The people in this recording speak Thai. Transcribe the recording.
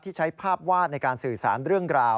ใช้ภาพวาดในการสื่อสารเรื่องราว